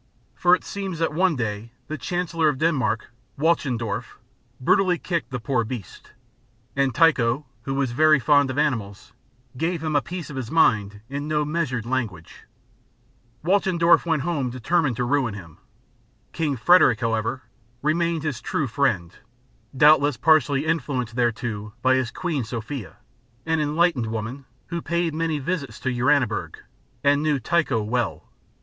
For it seems that one day the Chancellor of Denmark, Walchendorf, brutally kicked the poor beast; and Tycho, who was very fond of animals, gave him a piece of his mind in no measured language. Walchendorf went home determined to ruin him. King Frederick, however, remained his true friend, doubtless partly influenced thereto by his Queen Sophia, an enlightened woman who paid many visits to Uraniburg, and knew Tycho well.